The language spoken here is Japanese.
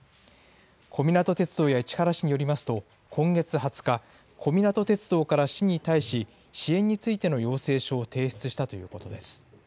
小湊鐵道や市原市によりますと今月２０日、小湊鐵道から市に対し、支援についての要請書を提出したということです。